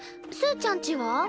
すーちゃんちは？